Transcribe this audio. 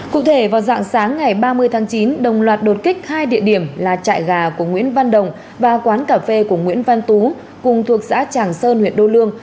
cụ thể vào dạng sáng ngày ba mươi tháng chín đồng loạt đột kích hai địa điểm là trại gà của nguyễn văn đồng và quán cà phê của nguyễn văn tú cùng thuộc xã tràng sơn huyện đô lương